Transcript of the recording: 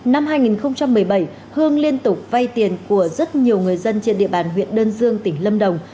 năm hai nghìn một mươi bảy hương liên tục vay tiền của rất nhiều người dân trên địa bàn huyện đơn dương tỉnh lâm đồng